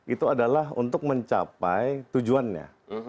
itu adalah untuk mencapai tujuannya